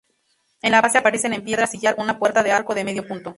En la base aparece en piedra sillar una puerta de arco de medio punto.